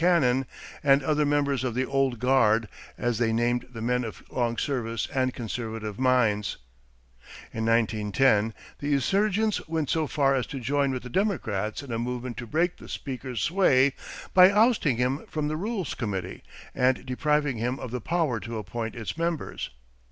Cannon, and other members of the "old guard," as they named the men of long service and conservative minds. In 1910, the insurgents went so far as to join with the Democrats in a movement to break the Speaker's sway by ousting him from the rules committee and depriving him of the power to appoint its members.